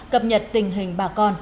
cập nhật tình hình báo cáo